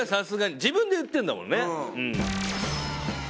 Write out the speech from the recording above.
自分で言ってるんだもんね。